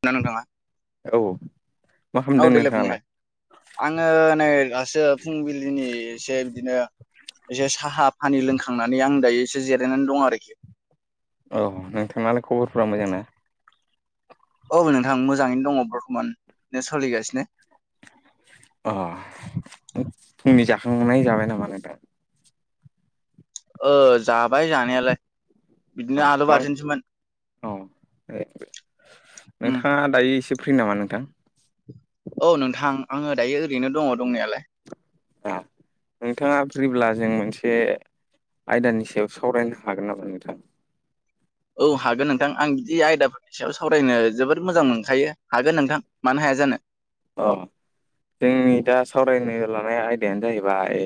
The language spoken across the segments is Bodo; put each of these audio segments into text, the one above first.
[unintelligible] नोंथाङा औ मा [inaudible] औ खालामदों देलायनाय नोंथाङालाय? बुंलाय आङो नै गासो फुंबिलिनि एसे बिदिनो इजे साहा फानि लोंखांनानै आं दायो इसे जिरायनानै दं आरोखि औ नोंथाङालाय खबरफ्रा मोजां ना औ नोंथां मोजाङैनो दङ बर्थ'मान नो सोलिगासिनो अ फुंनि जाखांनाय जाबाय नामा नोंथां ओ जाबाय जानायालाय अ बिदिनो आलु मा बाथोनसोमोन [unintelligible] उम नोंथाङा ङा दायो इसिब फ्रि नामा नोंथां? औ नोंथां आङो दायो ओरैनो दङ दंनायालाय आ नोंथाङा फ्रिब्ला जों मोनसे आयदानि सायाव सावरायनो हागोन नामा नोंथां औ हागोन नोंथां आं बिदि आयदा फो स सायाव सावरायनो जोबोद मोजां मोनखायो हागोन नोंथां मानो हाया जानो अ जोंनि दा सावरायनो लानाय आयदायानो जाहैबाय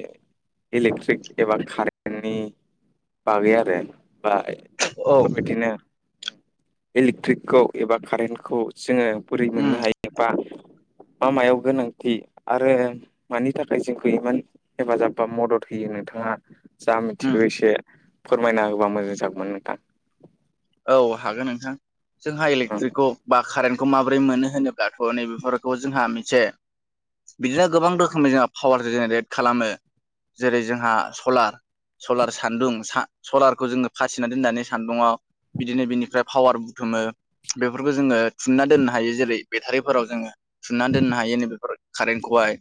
इलेक्ट्रिक एबा कारेन्टनि बागै आरो बा औ बेफोरबायदिनो इलेक्ट्रिकखौ एबा कारेन्टखौ जोङो बुरै मोननो उम हायोबा मा मायाव गोनांथि आरो मानि थाखाय जोंखौ इमान हेफाजाब बा मदद होयो नोंथाङा जा उम मिथिगौ एसे फोरमायना होबा मोजां जागौमोन नोंथां औ हागोन नोंथां जोंहा इलेक्ट्रिकखौ बा कारेन्ट खौ माबोरै मोनो होनोब्लाथ' नैबेफोरखौ जोंहा मोनसे बिदिनो गोबां रोखोमनि जोंहा पावार जेनेरेट खालामो जेरै जोंहा सलार सलार सान्दुं सलारखौ जोङो फासिना दोननानै सान्दुङाव बिदिनो बिनिफ्राय पावार बुथुमो बेफोरखौ जोङो थुनना दोननो हायो जेरै बेटारिफोराव जोङो सुनानै दोननो हायो नैबेफोर कारेन्टखौहाय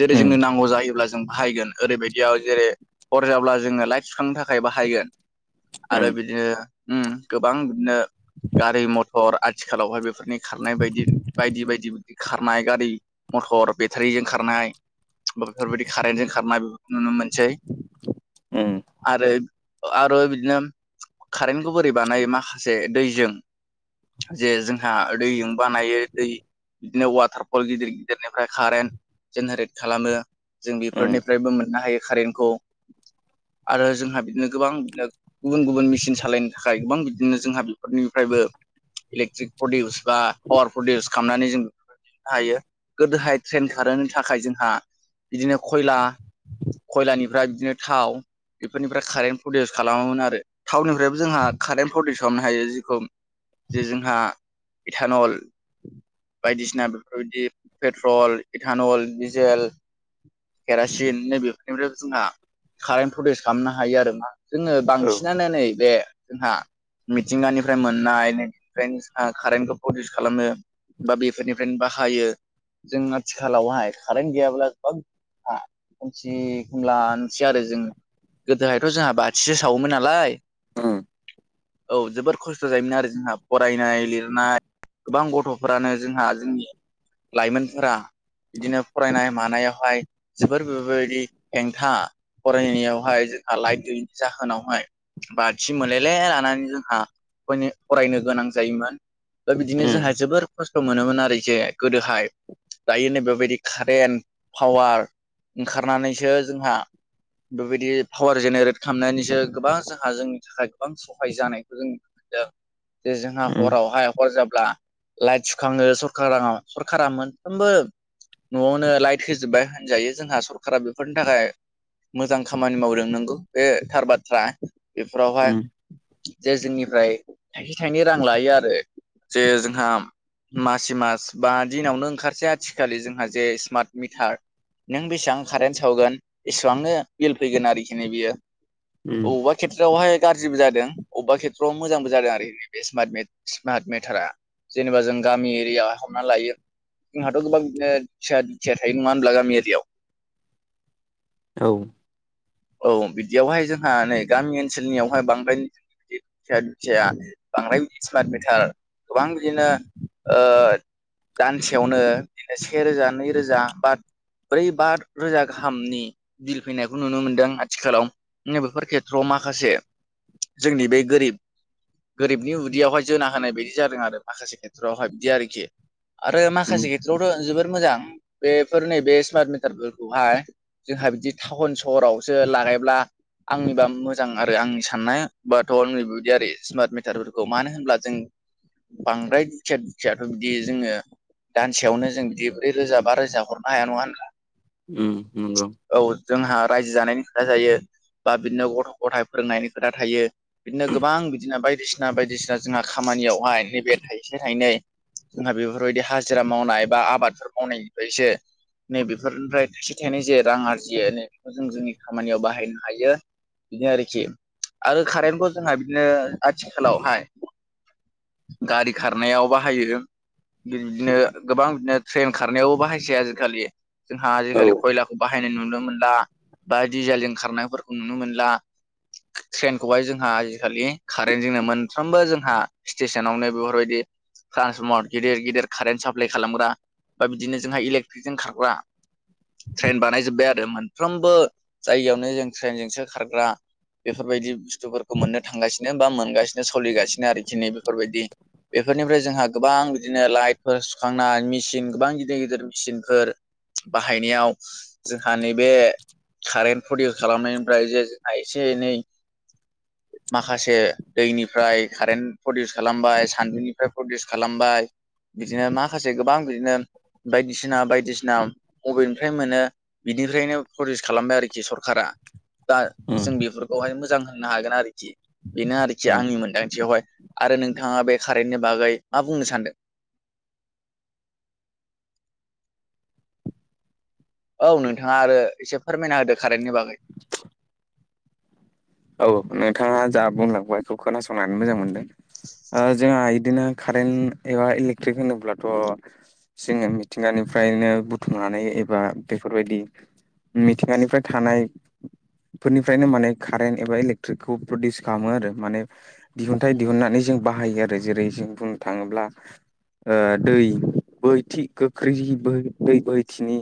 जेरै उम जोंनो नांगौ जायोब्ला जों बाहायगोन ओरैबायदियाव जेरै हर जाब्ला जोङो लाइट थुखांनो थाखाय बाहायगोन आरो उम बिदिनो गोबां बिदिनो गारि मथर आथिखालावहाय बेफोरनि खारनाय बायदि बायदि बायदि खारनाय गारि मथर बेटारिजों खारनाय बेफोरबायदि कारेन्टजों खारनाय नुनो मोनसै उम आरो आरो बिदिनो कारेन्टखौ बोरै बानायो माखासे दैजों जे जोंहा दैजों बानायो दै बिदिनो वाटारफल गिदिर गिदिरनिफ्राय कारेन्ट जेनेरेट खालामो जों उम बेफोरनिफ्रायबो मोननो हायो कारेन्टखौ आरो जोंहा बिदिनो गोबां गुबुन गुबुन मेसििन सालायनो नि थाखाय गोबां बिदिनो जोंहा बेफोरनिफ्रायबो इलेक्ट्रिक प्रदिउस बा पावार प्रदिउस खालामनानै जों हायो गोदोहाय ट्रेन खारनि थाखाय जोंहा बिदिनो खयला खयलानिफ्राय बिदिनो थाव बेफोरनिफ्राय कारेन्ट प्रडिउस खालामोमोन आरो थावनिफ्रायबो जोंहा कारेन्ट प्रडउसननो हायो जेखौ जे जोंहा इटानल बायदिसिना बेफोरबायदि पेट्रल इटानल डिजेल केरासिन नै बेफोरनिफ्राय जोंहा कारेन्ट प्रदिउस खालामनो हायो आरो ना जोङो औ बांसिनानो नै बे जोंहा मिथिंगानिफ्राय मोननायफ्रायनो जों कारेन्टखौ प्रदिउस खालामो बा बेफोरनिफ्रायनो बाहायो जों आथिखालावहाय कारेन्ट गैयाब्ला गोबां खानसे खोमलानोसै आरो जों गोदोहायथ' जोंहा बाथिसो सावोमोन नालाय उम औ जोबोर खस्थ' जायोमोन आरो जोंहा फरायनाय लिरनाय गोबां गथ'फोरानो जोंहा जोंनि लाइमोनफोरा बिदिनो फरायनाय मानायावहाय जोबोर बेफोरबायदि हेंथा फरायनायावहाय जोंहा लाइटनि जाहोनावहाय बा सि मोनलेले लानानै जोंहा मान फरायनो गोनां जायोमोन दा बिदिनो उम जोंहा जोबोर खस्थ' मोनोमोन आरो जे गोदोहाय दायो नै बेबायदि कारेन्ट पावार ओंखारनानैसो जोंहा बेबायदि पावार जेनेरेट खालामनायनिसो गोबां जोंहा जों थाखाय गोबां सहाय जानायखौ जों नुनो मोनदों जे जोंहा उम हरावहाय हर जाब्ला लाइट सुखाङो सरखारा सरखारा मोनफ्रोमबो न'आवनो लाइट होजोबबाय होनजायो जोंहा सरखारा बेफोरनि थाखाय मोजां खामानि मावदों नोंगौ बे थार बाथ्रा फोरावहाय उम जे जोंनिफ्राय थाइसे थाइनै रां लायो आरो जे जोंहा मासि मास बा दिनावनो ओंखारसै आथिखालि जोंहा जे स्मार्ट मिटार नों बेसेबां कारेन्ट सावगोन बेसेबांनो बिल फैगोन आरोखि न बियो उम बबावबा बेवहाय गाज्रिबो जादों अबेबा खेथ्रआव मोजांबो जादों आरो बे स्मार्ट मेटारा जेनेबा जों गामि एरियायावहाय हमना लायो जोंहाथ' गोबांबिदिनो सिया दुखिया थायो नङा होनब्ला गामि एरियायाव। औ औ बिदियावहाय जोंहा नै गामि ओनसोलनियावहाय बांद्राय [unintelligible] बांद्राय स्मार्ट मिटार गोबां बिदिनो ओ दानसेयावनो बिदिनो सेेरोजा नैरोजा बा ब्रै बा रोजा गाहामनि बिल फैनायखौ नुनो मोनदों आथिखालाव नै बेफोर खेथ्रआव माख माखासे जोंनि बे गोरिब गोरिबनि उदैयावहाय जोना होनाय बायदि जादों आरो माखासे खेथ्रआवहाय बिदि आरोखि। आरो उम माखासे खेथ्रआवथ' जोबोर मोजां बेफोर नैबे स्मार्ट मिटारफोरखौहाय। जोंहा बिदि टाउन सहरावसो लागायब्ला आंनिबा मोजां आरो आंनि साननाय बाथ' आंनि बिदि आरो स्मार्ट मिटारफोरखौ मानो होनब्ला जों बांद्राय दुखिया दुखियाथ' बिदि जोङो दानसेयावनो जों बिदि ब्रै रोजा बा रोजा हरनो हाया नङा होनब्ला। उम नंगौ। औ जोंहा रायजो जानायनि खोथा थायो बा बिदिनो गथ' गथाय फिसिनायनि खोथा थायो। बिदिनो गोबां बिदिनो बायदिसिना बायदिसिना जोंहा खामानियावहाय नैबे थाइसे थाइनै जोंहा बेफोरबायदि हाजिरा मावनाय बा आबादफोर मावनायनिफ्रायसो नैबेफोरनिफ्राय थाइसे थाइनै जे रां आरजियो नै बेखौ जों जोंनि खामानियाव बाहायनो हायो। बिदिनो आरोखि आरो कारेन्टखौ जोंहा बिदिनो आथिखालावहाय। गारि खारनायाव बाहायो। बिदिनो गोबां बिदिनो ट्रेन खारनायावबो बाहायसै आजि खालि। जोंहा औ आजिखालि खयलाखौ बाहायनाय नुनो मोनला बा डिजेलजों खारनायफोरखौ नुनो मोनला। [inaudible] ट्रेनखौहाय जोंहा आजिखालि कारेन्टजोंनो मोनफ्रोमबो जोंहा स्टेसनावनो बेफोरबायदि ट्रान्सफर्मर गिदिर गिदिर कारेन्ट साप्लाय खालामग्रा बा बिदिनो जोंहा इलेकट्रिक जों खारग्रा ट्रेन बानायजोबबाय आरो मोनफ्रोमबो जायगायावनो जों ट्रेनजोंसो खारग्रा बेफोरबायदि बुस्थुफोरखौ मोननो थांगासिनो बा मोनगासिनो सोलिगासिनो आरोखि नै बेफोरबायदि बेफोरनिफ्राय जोंहा गोबां बिदिनो लाइटफोर सुखांना मेसिन गोबां गिदिर गिदिर मेसिनफोर। बाहायनायाव जोंहा नैबे कारेन्ट प्रदिउस खालामनायनिफ्राय जे जा एसे एनै [inaudible] माखासे दैनिफ्राय कारेन्ट प्रदिउस खालामबाय सान्दुंनिफ्राय प्रदिउस खालामबाय। बिदिनो माखासे गोबां बिदिनो बायदिसिना बायदिसिना बबेनिफ्राय मोनो बिनिफ्रायनो प्रडिउस खालामबाय आरोखि सरखारा दा उम जों बेफोरखौहाय मोजां होनो हागोन आरोखि बेनो आरोखि उम आंनि मोन्दांथियावहाय आरो नोंथाङा बे कारेन्टनि बागै मा बुंनो सानदों? औ नोंथाङा आरो एसे फोरमायना होदो कारेन्टनि बागै। औ नोंथाङा जा बुंलांबाय बेखौ खोनासंनानै मोजां मोनदों। ओ जोंहा इदिनो कारेन्ट एबा इलेक्ट्रिक होनोब्लाथ' जोङो मिथिंगानिफ्रायनो बुथुमनानै एबा बेफोरबायदि मिथिंगानिफ्राय थानाय फोरनिफ्रायनो माने कारेन्ट एबा इलेकट्रिकखौ प्रडिउस खालामो आरो माने दिहुनथाइ उम दिहुनन्नानै जों बाहायो आरो जेरै जों बुंनो थाङोब्ला। ओ दै बोहैथि गोख्रै दै बोहैथिनि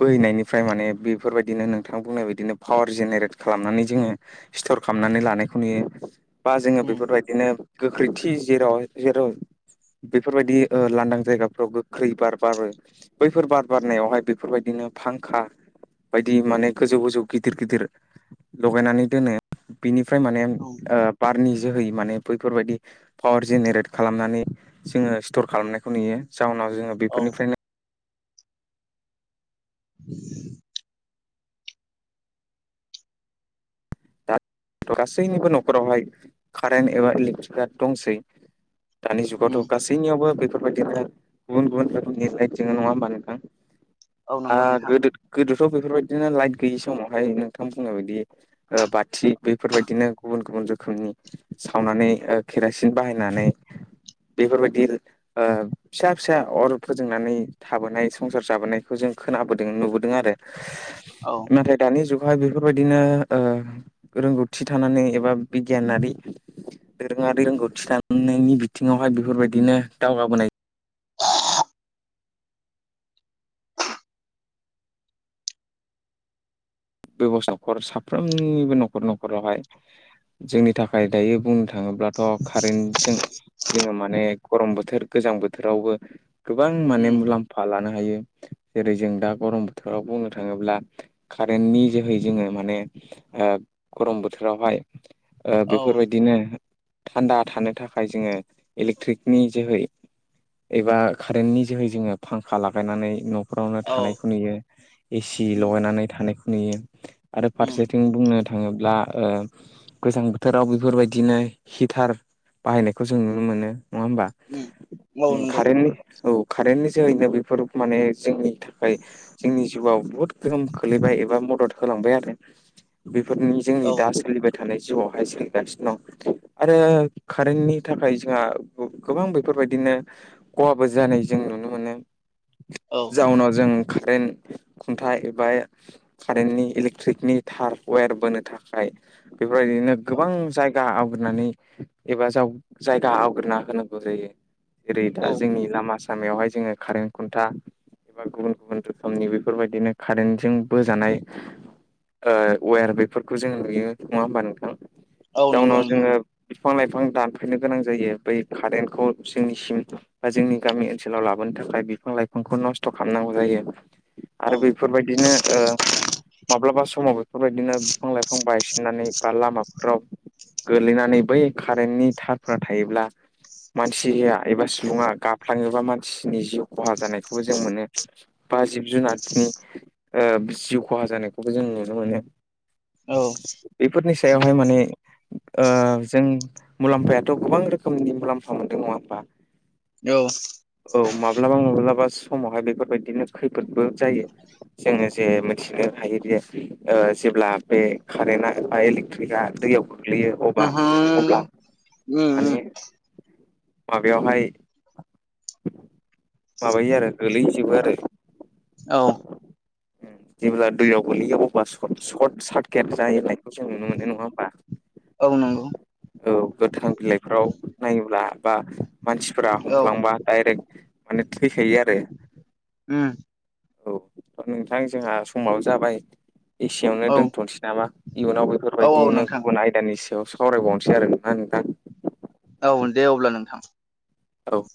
बोहैनायनिफ्राय माने बेफोरबायदिनो नोंथां बुंनाय बायदिनो पावार जेनेरेट खालामनानै जोङो सथर खालामनानै लानायखौ नुयो बा जोङो उम बेफोरबायदि बिदिनो गोख्रैथि जेराव जेराव बेफोरबायदि ओ लांदां जायगाफ्राव गोख्रै बार बारो। बैफोर बाद बारनायावहाय बेफोरबायदिनो फांखा। बायदि माने गोजौ गोजौ गिदिर गिदिर लगायनानै दोनो। बिनिफ्राय माने औ ओ बारनि जोहै माने बैफोरबायदि पावार जेनेरेट खालामनानै जोङो स्टर खालामनायखौ नुयो। जाउनाव जोङो औ बेफोरनिफ्रायनो [inaudible] थ' गासैनिबो न'खरावहाय कारेन्ट एबा इलेक्ट्रिकआ दंसै। दानि उम जुगावथ' गासैनियावबो बेफोरबायदिनो गुबुन गुबुन रोखोमनि लाइट जोङ नङा होमबा नोंथां? औ नंगौ आर नोंथां गोदो गोदोथ' बेफोरबायदिनो लाइट गैयि समावहाय नोंथां बुङनाय बायदि ओ बाथि बैफोरबायदिनो गुबुन गुबुन रोखोमनि सावनानै ओ केरासिन बाहायनानै बेफोरबायदि ओ फिसा फिसा अर फोजोंनानै थाबोनाय संसार जाबोनायखौ जों खोनाबोदों नुबोदों आरो। औ नाथाय दानि जुगावहाय बेफोरबायदिनो ओ रोंगौथि थानानै एबा बिगियानारि दोरोङारि रोंगौथि थानायनि बिथिङावहाय बेफोरबायदिनो दावगाबोनाय बेब'स्थाफोर साफ्रोमनिबो न'खर न'खरावहाय जोंनि थाखाय दायो बुंनो थाङोब्लाथ' कारेन्टजों जोङो माने गरम बोथोर गोजां बोथोरावबो गोबां माने उम मुलाम्फा लानो हायो। जेरै जों दा गरम बोथोराव बुंनो थाङोब्ला बेननि जोहै जोङो माने ओ गरम बोथोरावहाय ओ औ बेफोरबायदिनो थान्दा थानो थाखाय जोङो इलेक्ट्रिकनि जोहै एबा कारेन्टनि जोहै जोङो फांखा लागायनानै न' खरावनो औ थानायखौ नुयो, ए सि उम लगायनानै थानायखौ नुयो आरो उम फारसेथिं बुंनो थाङोब्ला ओ गोजां बोथोराव बेफोरबायदिनो हिटार बाहायनायखौ जों नुनो मोनो नङा होमबा? उम औ उम नंगौ कारेन्टनि औ कारेन्टनि जोहैनो बेफोर माने जोंनि थाखाय जोंनि जिउआव बुहुत गोहोम खोलैबाय एबा मदद होलांबाय आरो बेफोरनि जोंनि औ दा सोलिबाय थानाय जिउआवहाय सोलिगासिनो दं [unintelligible] आरो कारेन्टनि थाखाय जोंहा गो गोबां बेफोरबायदिनो खहाबो जानाय जों नुनो मोनो। औ जाउनाव जों कारेन्ट खुन्थाइ एबा कारेन्टनि इलेक्ट्रिकनि थार वेर बोनो थाखाय बेफोरबायदिनो गोबां जायगा आवग्रिनानै एबा जाव जायगा आवग्रिना होनांगौ जाय। जेरै औ दा जोंनि लामा सामायावहाय जोङो कारेन्ट खुन्था बा गुबुन गुबुन रोखोमनि बेफोरबायदिनो कारेन्ट जोंबो जानाय ओ वेर बेफोरखौ जों नुयो नङा होमबा नोंथां? औ नंगौ जाउनाव नोंथां जोङो बिफां लाइफां दानफायनो गोनां जायो बै कारेन्टखौ जोंनिसिम बा जोंनि गामि ओनसोलाव लाबोनो थाखाय बिफां लाइफांखौ नस्थ' खालामनांगौ जायो। आरो औ बेफोरबायदिनो ओ माब्लाबा समाव बेफोरबायदिनो बिफां लाइफां बायसिननानै बा लामाफोराव गोलैनानै बै कारेन्टनि थारफोरा थायोब्ला मानसि होया एबा सुबुङा गाफ्लाङोबा मानसिनि जिउ खहा जानायखौबो जों मोनो बा जिब जुनारफोरनि ओ जिउ खहा जानायखौबो जों नुनो मोनो। औ। बेफोरनि सायावहाय माने ओ जों मुलाम्फायाथ' गोबां रोखोमनि मुलाम्फा मोनदों नङा होनबा? औ। औ माब्लाबा माब्लाबा समावहाय बेफोरबायदिनो खैफोदबो जायो। जोङो जे मिथिनो हायो जे ओ जेब्ला बे कारेन्टआ बाइल थैया दैयाव गोग्लैयो। अबा अब्ला उम माने माबायावहाय माबायो आरो गोलैजोबो आरो। औ जेब्ला दैयाव गोलैयो अब्ला सर्ट-सर्ट सार्केट जाहाय खौ जों नुनो मोनो नङा होमबा? औ नंगौ औ गोथां बिलाइफोराव नायोब्ला बा मानसिफोरा औ फ्लांबा डाइरेक्ट माने थैखायो आरो। उम औ नोंथां जोंहा समाव जाबाय। एसेयावनो औ दोनथ'नोसै नामा इयुनाव औ औ बेफोरबायदिनो नोंथां गुबुन आयदानि सायाव सावरायबावनोसै आरो नङा नोंथां। औ दे अब्ला नोंथां। औ